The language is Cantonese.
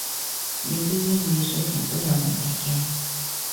你啲英語水平都有問題嘅